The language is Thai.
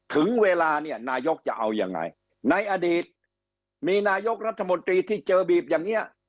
ถึงเวลาเนี่ยนายกจะเอายังไงในอดีตมีนายกรัฐมนตรีที่เจอบีบอย่างนี้